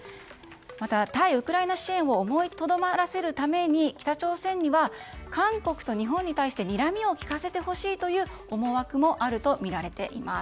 また対ウクライナ支援を思いとどまらせるために北朝鮮には韓国と日本に対してにらみを利かせてほしいという思惑もあるとみられています。